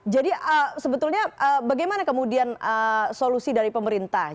jadi sebetulnya bagaimana kemudian solusi dari pemerintah